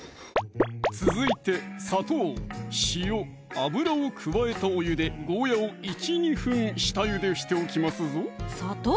続いて砂糖・塩・油を加えたお湯でゴーヤを１２分下ゆでしておきますぞ砂糖？